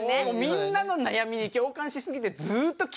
みんなの悩みに共感しすぎてずっと聞いてた。